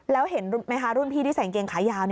แล้วเห็นไหมคะรุ่นพี่ที่ใส่กางเกงขายาว